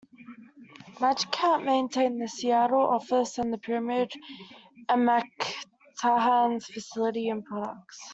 Magic Hat maintained the Seattle office and the Pyramid and MacTarnahan's facilities and products.